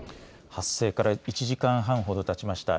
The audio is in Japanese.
発生から１時間半ほどたちました。